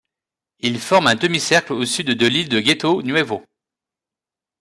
Il forme un demi cercle au sud du île de Ghetto Nuovo.